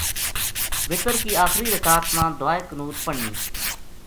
وتر کی آخری رکات ما دعا قنوت پڑھنی۔